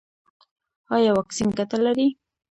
ایا واکسین ګټه لري؟